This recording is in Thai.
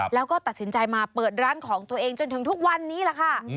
แล้วก็ตัดสินใจมาเปิดร้านของตัวเองจนถึงทุกวันนี้แหละค่ะ